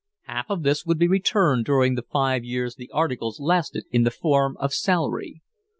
Half of this would be returned during the five years the articles lasted in the form of salary.